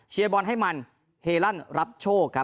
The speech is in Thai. เชียร์บอนให้มันเฮลั่นรับโชค